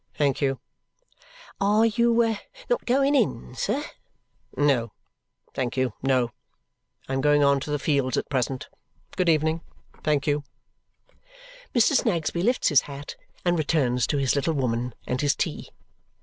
"Thank you." "Are you not going in, sir?" "No, thank you, no; I am going on to the Fields at present. Good evening. Thank you!" Mr. Snagsby lifts his hat and returns to his little woman and his tea.